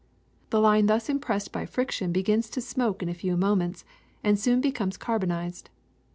The line thus impressed by friction begins to smoke in a few moments, and soon becomes carbonized.